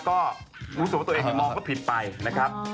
ก็รู้สึกว่าตัวเองมองก็ผิดไปนะครับ